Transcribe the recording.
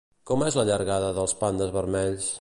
Com és la llargada dels pandes vermells?